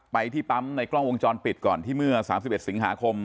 ไปที่ปั๊มในกล้องวงจรปิดก่อนที่เมื่อ๓๑สิงหาคม